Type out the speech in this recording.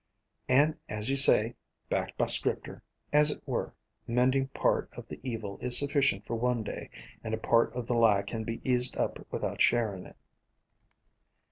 "And as you say, backed by Scripter, as it were, mending part of the evil is sufficient for one day and a part of the lie can be eased up without sharing it."